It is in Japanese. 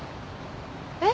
えっ？